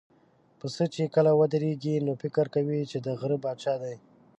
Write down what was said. پسه چې کله ودرېږي، نو فکر کوي چې د غره پاچا دی.